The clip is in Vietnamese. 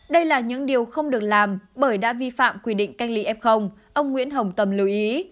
đây là những điều không được làm bởi đã vi phạm quy định canh ly f ông nguyễn hồng tâm lưu ý